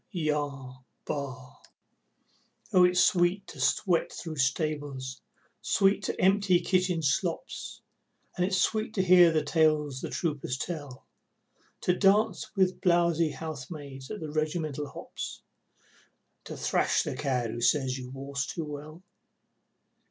Yah! Bah! Oh, it's sweet to sweat through stables, sweet to empty kitchen slops, And it's sweet to hear the tales the troopers tell, To dance with blowzy housemaids at the regimental hops And thrash the cad who says you waltz too well.